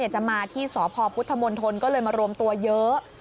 จะมาที่สพพุทธมณฑลก็เลยมารวมตัวเยอะ